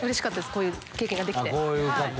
こういう経験ができて。